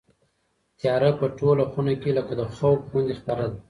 تیاره په ټوله خونه کې لکه د خوب غوندې خپره ده.